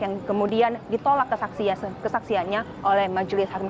yang kemudian ditolak kesaksiannya oleh majelis hakim